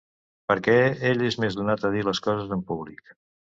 Perquè ell és més donat a dir les coses en públic.